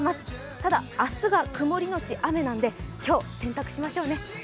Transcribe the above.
ただ、明日が曇りのち雨なので今日、洗濯しましょうね。